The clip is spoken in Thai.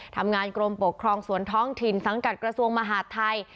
ทำงานกรมปกครองส่วนท้องถิ่นสังกัดกระทรวงมหาดไทย